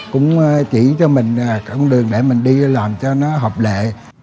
cũng chỉ cho mình cả con đường để mình đi làm cho nó hợp lệ